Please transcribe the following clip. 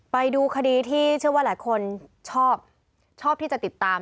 ไปดูคดีที่เชื่อว่าหลายคนชอบชอบที่จะติดตาม